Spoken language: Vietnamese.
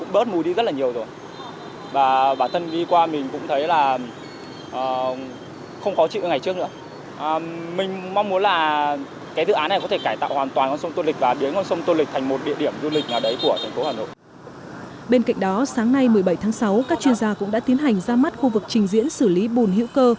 bên cạnh đó sáng nay một mươi bảy tháng sáu các chuyên gia cũng đã tiến hành ra mắt khu vực trình diễn xử lý bùn hữu cơ